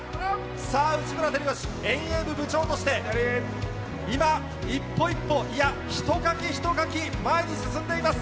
さあ、内村光良、遠泳部部長として、今、一歩一歩、いや、ひとかきひとかき、前に進んでいます。